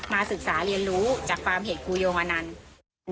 ศึกษาเรียนรู้จากความเห็นครูโยงอนันต์